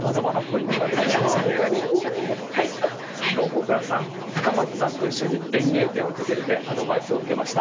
大倉さん深町さんと一緒に園芸店を訪れてアドバイスを受けました。